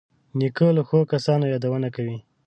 نیکه له ښو کسانو یادونه کوي.